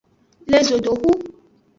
Le zodoxu.